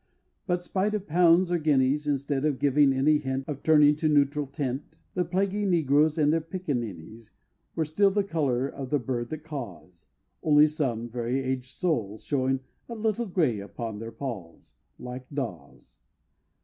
But, spite of pounds or guineas, Instead of giving any hint Of turning to a neutral tint, The plaguy Negroes and their piccaninnies Were still the color of the bird that caws Only some very aged souls Showing a little gray upon their polls, Like daws!